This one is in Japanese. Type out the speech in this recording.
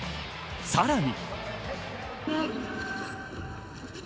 さらに。